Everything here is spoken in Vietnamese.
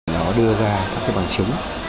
nó đưa ra các bằng chứng